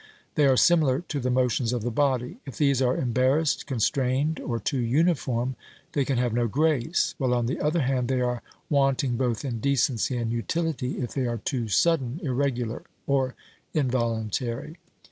They are similar to the motions of the body ; if these are embarrassed, constrained, or too uniform, they can have no grace, while, on the other hand, they are wanting both in decency and utility if they are too sudden, irregular, or involuntary.